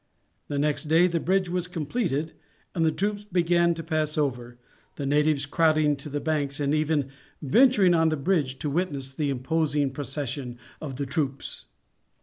The next day the bridge was completed and the troops began to pass over, the natives crowding to the banks and even venturing on the bridge to witness the imposing procession of the troops.